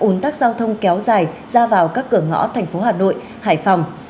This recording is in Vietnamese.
ủn tắc giao thông kéo dài ra vào các cửa ngõ tp hcm hải phòng